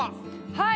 はい。